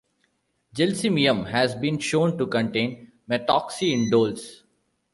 "Gelsemium" has been shown to contain methoxyindoles.